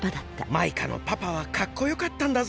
マイカのパパはかっこよかったんだぞ。